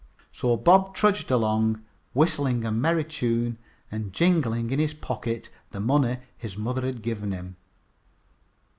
So Bob trudged along, whistling a merry tune and jingling in his pocket the money his mother had given him.